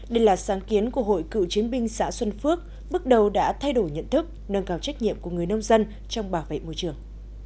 đây là sáng kiến của hội cựu chiến binh xã xuân phước bước đầu đã thay đổi nhận thức nâng cao trách nhiệm của người nông dân trong bảo vệ môi trường